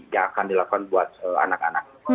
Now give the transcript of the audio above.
yang akan dilakukan buat anak anak